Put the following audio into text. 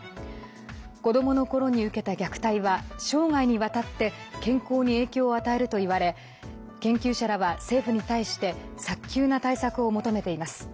子どものころに受けた虐待は生涯にわたって健康に影響を与えるといわれ研究者らは政府に対して早急な対策を求めています。